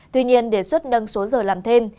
tuy nhiên đề xuất nâng số giờ làm thêm